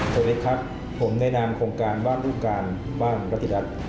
สวัสดีครับผมในด้านโครงการว่างรุกการว่างรัฐิรัตน์